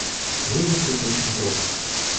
Вывод тут очень прост.